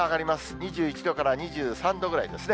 ２１度から２３度くらいですね。